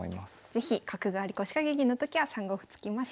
是非角換わり腰掛け銀のときは３五歩突きましょう。